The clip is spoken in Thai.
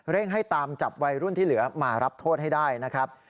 ให้ตามจับวัยรุ่นที่เหลือมารับโทษให้ได้นะครับ